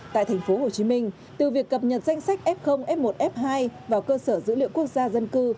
tại tp hcm từ việc cập nhật danh sách f f một f hai vào cơ sở dữ liệu quốc gia dân cư